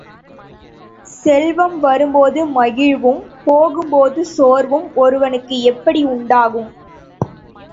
செல்வம் வரும்போது மகிழ்வும், போகும்போது சோர்வும் ஒருவனுக்கு எப்படி உண்டாகும்?